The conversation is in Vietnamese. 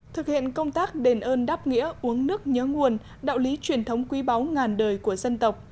thực hiện công tác đền ơn đáp nghĩa uống nước nhớ nguồn đạo lý truyền thống quý báu ngàn đời của dân tộc